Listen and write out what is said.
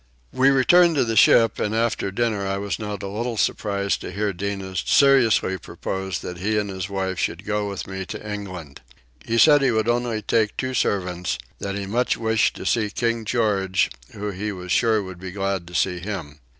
We returned to the ship, and after dinner I was not a little surprised to hear Tinah seriously propose that he and his wife should go with me to England. He said he would only take two servants; that he much wished to see King George who he was sure would be glad to see him.